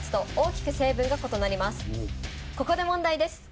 ここで問題です。